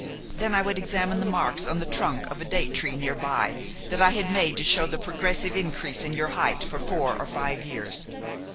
Then I would examine the marks on the trunk of a date tree nearby, that I had made to show the progressive increase in your height for four or five years.